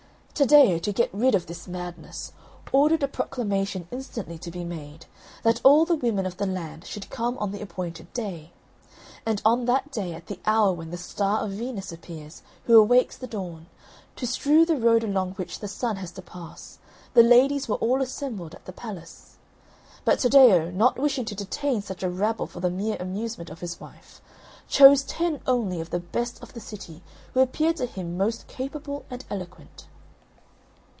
Taddeo, to get rid of this madness, ordered a proclamation instantly to be made, that all the women of the land should come on the appointed day. And on that day, at the hour when the star of Venus appears, who awakes the Dawn, to strew the road along which the Sun has to pass, the ladies were all assembled at the palace. But Taddeo, not wishing to detain such a rabble for the mere amusement of his wife, chose ten only of the best of the city who appeared to him most capable and eloquent.